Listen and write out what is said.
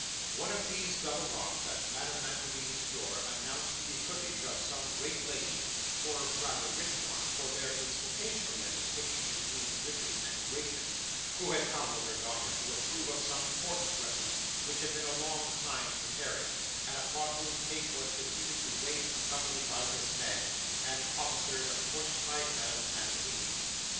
One of these double knocks at Madame Mantalini's door, announced the equipage of some great lady or rather rich one, for there is occasionally a distinction between riches and greatness who had come with her daughter to approve of some court dresses which had been a long time preparing, and upon whom Kate was deputed to wait, accompanied by Miss Knag, and officered of course by Madame Mantalini.